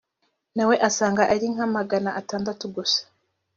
na we asanga ari nka magana atandatu gusa